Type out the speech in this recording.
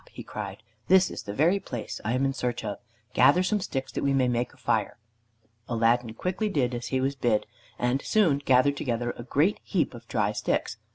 he cried, "this is the very place I am in search of. Gather some sticks that we may make a fire." Aladdin quickly did as he was bid, and had soon gathered together a great heap of dry sticks.